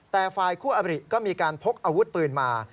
แต่ฝ่ายคู่อบริก็มีการพกอาวุธปืนมา